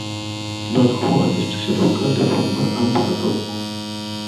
Bajo anestesia local, de forma ambulatoria.